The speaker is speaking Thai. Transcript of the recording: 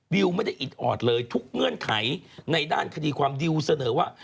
ไม่ได้อิดออดเลยทุกเงื่อนไขในด้านคดีความดิวเสนอว่า